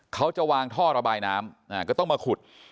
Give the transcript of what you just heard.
เขาจะวางท่อระบายน้ำก็ต้องมาขุด